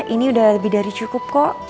ini udah lebih dari cukup kok